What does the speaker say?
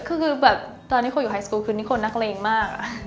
คือแบบตอนที่เขาอยู่ไฮสกูลคือนี่คนนักเล่นมาก